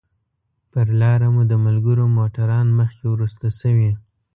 پر لاره مو د ملګرو موټران مخکې وروسته شوي.